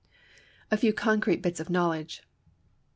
A Few Concrete Bits of Knowledge.